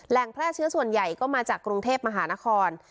แพร่เชื้อส่วนใหญ่ก็มาจากกรุงเทพมหานคร